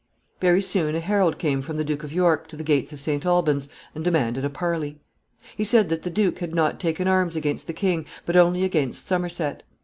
] Very soon a herald came from the Duke of York to the gates of St. Alban's, and demanded a parley. He said that the duke had not taken arms against the king, but only against Somerset.